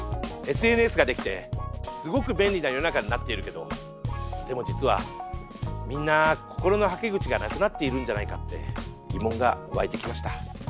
ＳＮＳが出来てすごく便利な世の中になっているけどでも実はみんな心のはけ口がなくなっているんじゃないかって疑問が湧いてきました。